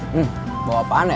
hmm bawa apaan ya